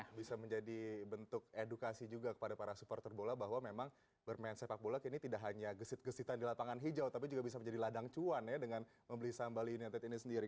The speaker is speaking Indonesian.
jadi itu bisa menjadi bentuk edukasi juga kepada para supporter bola bahwa memang bermain sepak bola ini tidak hanya gesit gesitan di lapangan hijau tapi juga bisa menjadi ladang cuan ya dengan membeli saham bali united ini sendiri